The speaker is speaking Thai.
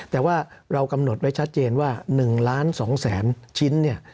แต่ว่าเรากำหนดไว้ชัดเจนว่า๑ล้าน๒แสนชิ้นเนี่ย